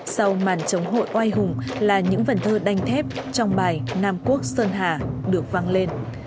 sau màn chống hội oai hùng là những vần thơ đanh thép trong bài nam quốc sơn hà được văng lên